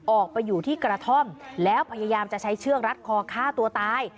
ออกไปอยู่ที่กระท่อมแล้วพยายามจะใช้เชือกรัดคอฆ่าตัวตาย